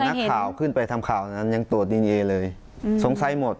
นักข่าวขึ้นไปทำข่าวนั้นยังตรวจดีเอเลยสงสัยหมด